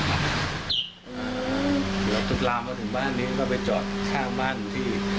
เพราะว่าพี่คนตายนานเขาจะมาถี่